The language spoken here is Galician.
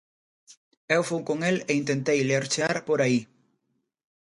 Eu fun con el e intentei lerchear por aí...